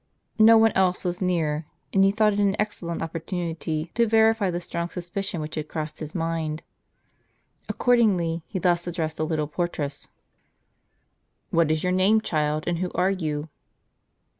No one else was near ; and he thought it an excel lent opportunity to verify the strong suspicion which had crossed his mind. Accordingly, he thus addressed the little portress :" What is your name, child, and who are you